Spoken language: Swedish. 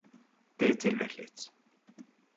Det är tillräckligt.